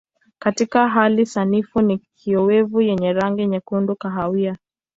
Katika hali sanifu ni kiowevu yenye rangi nyekundu kahawia.